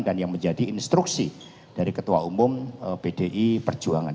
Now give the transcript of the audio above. dan yang menjadi instruksi dari ketua umum bdi perjuangan